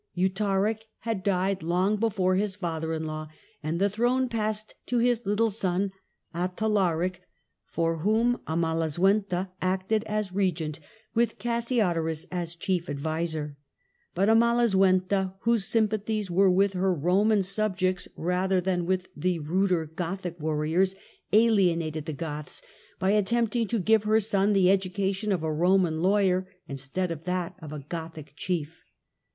Eutharic had died long before his father in law, and Reign of the throne passed to his little son Athalaric, for whom su ™ntha, Amalasuentha acted as regent, with Cassiodorus as chief 52t5 ' 34 adviser. But Amalasuentha, whose sympathies were with her Roman subjects rather than with the ruder 34 THE DAWN OF MEDIEVAL EUROPE Gothic warriors, alienated the Goths by attempting to give her son the education of a Roman lawyer instead of that of a Gothic chief.